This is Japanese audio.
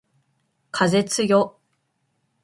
風つよ